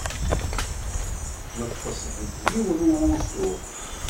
Neṭṭeṣ deg yiwen n wusu.